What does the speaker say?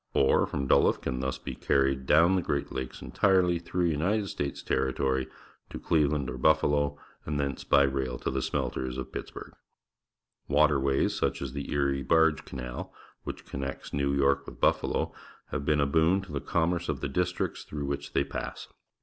Ore from Duluth can thus be carried dovm the Great Lakes entirelj^ through United States territory' to Clei'eland or Buffalo, and thence by rail to the smelters of Pittsburgh. Waten^ays, such as the Erie Barge Canal, which connects Xew York with Buffalo, have been a boon to the commerce of the districts through wliich they pa.ss.